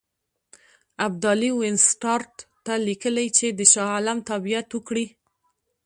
ابدالي وینسیټارټ ته لیکلي چې د شاه عالم تابعیت وکړي.